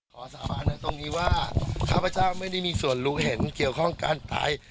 สาบานในตรงนี้ว่าข้าพเจ้าไม่ได้มีส่วนรู้เห็นเกี่ยวข้องการตาย